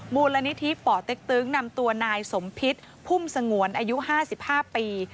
มูลนิธิป่อเต็กตึงนำตัวนายสมพิษพุ่มสงวนอายุ๕๕ปี